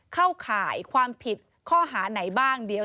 เข้าข่ายความผิดข้อหาไหนบ้างเดี๋ยว